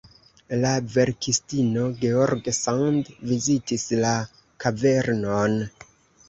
La verkistino George Sand vizitis la kavernon.